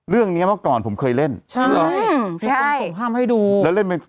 เรื่องเนี้ยเมื่อก่อนผมเคยเล่นใช่นี่ผมส่งภาพให้ดูแล้วเล่นเป็น